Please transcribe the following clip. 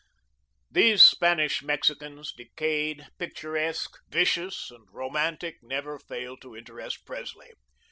These Spanish Mexicans, decayed, picturesque, vicious, and romantic, never failed to interest Presley.